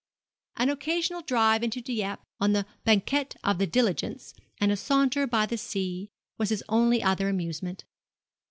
An occasional drive into Dieppe on the banquette of the diligence, and a saunter by the sea, was his only other amusement.